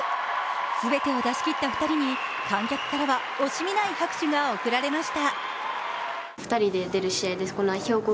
全てを出し切った２人に観客からは惜しみない拍手が送られました。